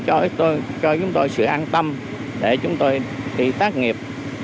cho chúng tôi sự an tâm để chúng tôi đi tác nghiệp